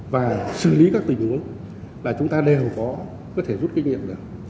và xử lý các tình huống là chúng ta đều có thể rút kinh nghiệm được